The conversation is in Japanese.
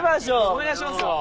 お願いしますよ。